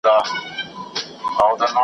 آس په زین او په سورلیو ښه ښکاریږي .